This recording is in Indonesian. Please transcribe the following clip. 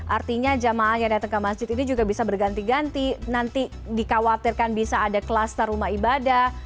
artinya jamaah yang datang ke masjid ini juga bisa berganti ganti nanti dikhawatirkan bisa ada kluster rumah ibadah